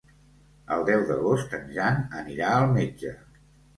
El deu d'agost en Jan anirà al metge.